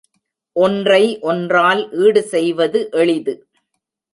ஒன்றை ஒன்றால் ஈடுசெய்வது எளிது.